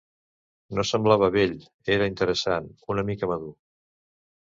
No semblava bell, era interessant, una mica madur...